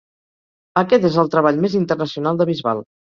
Aquest és el treball més internacional de Bisbal.